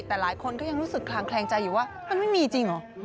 แต่หลายคนก็ยังรู้สึกคลางแคลงใจอยู่ว่ามันไม่มีจริงเหรอ